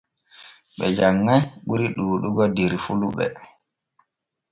Ɓe janŋay ɓuri ɗuuɗugo der fulɓe.